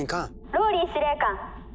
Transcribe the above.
「ＲＯＬＬＹ司令官」。